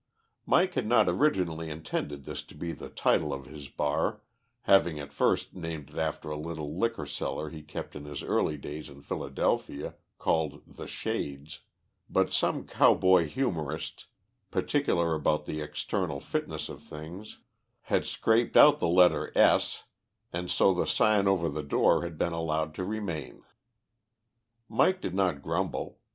Mike had not originally intended this to be the title of his bar, having at first named it after a little liquor cellar he kept in his early days in Philadelphia, called "The Shades," but some cowboy humourist, particular about the external fitness of things, had scraped out the letter "S," and so the sign over the door had been allowed to remain. Mike did not grumble.